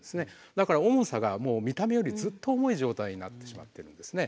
だから重さが見た目よりずっと重い状態になってしまっているんですね。